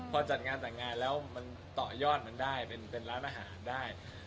พอจัดงานแต่งงานแล้วมันต่อยอดมันได้เป็นร้านอาหารได้